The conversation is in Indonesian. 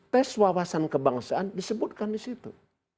tes wawasan kebangsaan disebutkan di situ